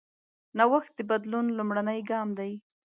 نوښت د بدلون لومړنی ګام دی.